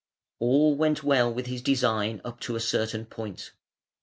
All went well with his design up to a certain point.